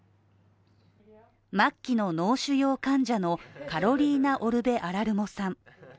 末期の脳腫瘍患者のカロリーナ・オルベ・アラルモさん。